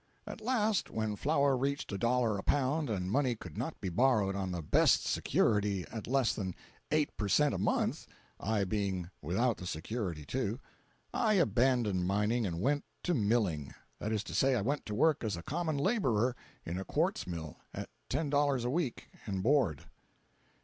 At last, when flour reached a dollar a pound, and money could not be borrowed on the best security at less than eight per cent a month (I being without the security, too), I abandoned mining and went to milling. That is to say, I went to work as a common laborer in a quartz mill, at ten dollars a week and board.